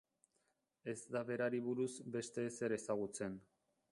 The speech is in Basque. Ez da berari buruz beste ezer ezagutzen.